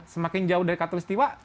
semakin jauh dari katolik setiwa